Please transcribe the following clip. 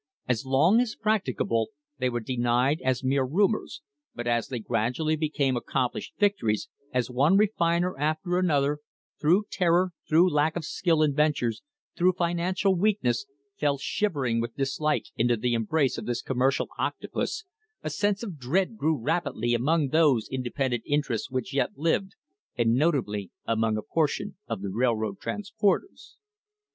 As long as practicable, they were denied as mere rumours, but as they gradually became accomplished victories, as one refiner after another, through terror, through lack of skill in ventures, through financial weakness, fell shivering with dislike into the embrace of this commercial octopus, a sense of dread grew rapidly among those independent interests which yet lived, and notably among a portion of the railroad transporters.